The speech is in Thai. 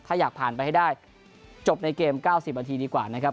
ถ้าอยากพาไปให้ได้จบในเกมเก้าสิบนาทีดีกว่านะครับ